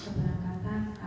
sebagai seorang keberangkatan